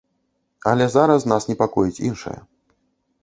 Але зараз нас непакоіць іншае.